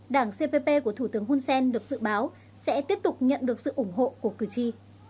đảng cpp của thủ tướng hun sen được dự báo sẽ tiếp tục nhận được sự ủng hộ của cử tri